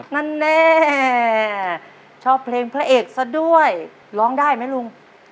นั่นแน่ชอบเพลงพระเอกซะด้วยร้องได้ไหมลุง